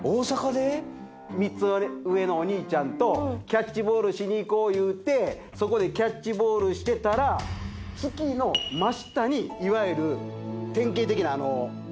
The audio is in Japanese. ３つ上のお兄ちゃんとキャッチボールしに行こう言うてそこでキャッチボールしてたら月の真下にいわゆる典型的なＵＦＯの形。